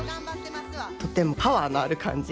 とてもパワーのある感じ。